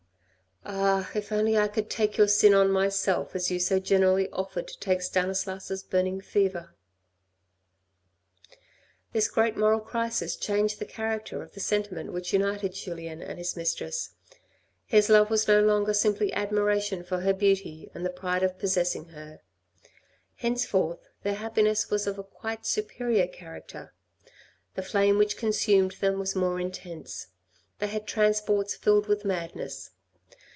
"Ah, if only I could take your sin on myself as you so generously offered to take Stanislas' burning fever !" This great moral crisis changed the character of the senti ment which united Julien and his mistress. His love was no longer simply admiration for her beauty, and the pride of possessing her. Henceforth their happiness was of a quite superior character. The flame which consumed them was more intense. They had transports filled with madness.